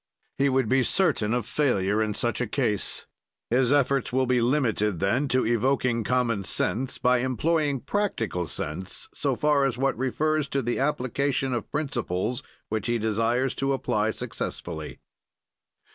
"He would be certain of failure in such a case. "His efforts will be limited, then, to evoking common sense, by employing practical sense, so far as what refers to the application of principles which he desires to apply successfully."